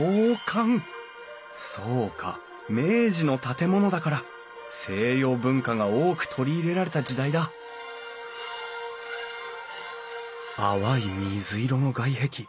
そうか明治の建物だから西洋文化が多く取り入れられた時代だ淡い水色の外壁。